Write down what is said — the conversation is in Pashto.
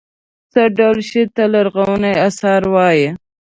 څه ډول شي ته لرغوني اثار وايي.